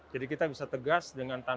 jadi kita bisa tegas dengan tetap santun